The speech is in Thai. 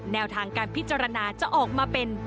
แนวทางการพิจารณาจะออกมาเป็น